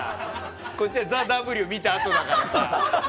こっちは「ＴＨＥＷ」見たあとだからさ。